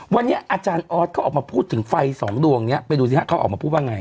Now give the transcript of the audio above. วันนี้อาจารย์ออสเขาออกมาพูดถึงไฟสองดวงนี้ไปดูสิฮะเขาออกมาพูดว่าไง